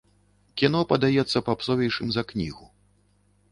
Кіно падаецца папсовейшым за кнігу.